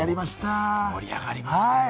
盛り上がりました。